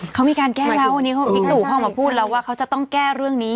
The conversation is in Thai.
เขามีการแก้เรานี่มิตุเขามาพูดแล้วว่าเขาจะต้องแก้เรื่องนี้